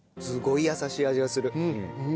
すごい優しい味がする。